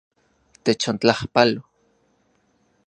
Techontlajpalo.